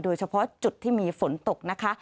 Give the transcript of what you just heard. โดยเฉพาะจุดที่มีฝนตกนะคะ